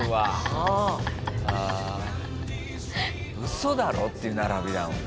嘘だろ？っていう並びだもんな。